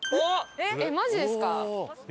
えっマジですか？